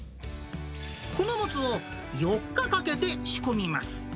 このもつを４日かけて仕込みます。